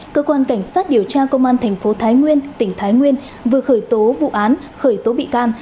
cơ quan cảnh sát điều tra công an thành phố thái nguyên tỉnh thái nguyên vừa khởi tố vụ án khởi tố bị can